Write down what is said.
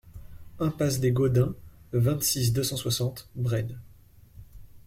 Impasse des Godins, vingt-six, deux cent soixante Bren